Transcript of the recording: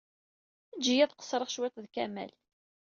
Eǧǧ-iyi ad qeṣṣreɣ cwiṭ ed Kamal.